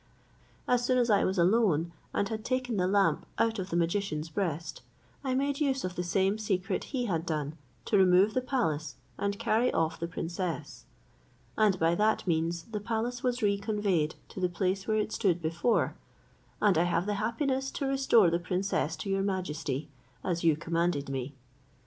As soon as I was alone, and had taken the lamp out of the magician's breast, I made use of the same secret he had done, to remove the palace, and carry off the princess; and by that means the palace was re conveyed to the place where it stood before; and I have the happiness to restore the princess to your majesty, as you commanded me.